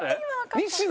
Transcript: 西野